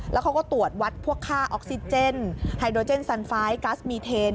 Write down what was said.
แล้วเขาก็ตรวจวัดพวกค่าออกซิเจนไฮโดเจนซันไฟล์กัสมีเทน